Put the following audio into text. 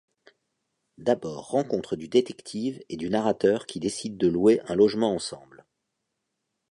D’abord rencontre du détective et du narrateur qui décident de louer un logement ensemble.